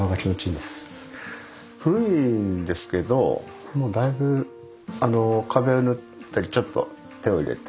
古いんですけどもうだいぶ壁を塗ったりちょっと手を入れて。